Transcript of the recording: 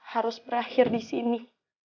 harus berakhir di sini